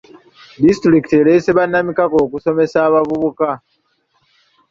Disitulikiti ereese bannamikago okusomesa abavubuka.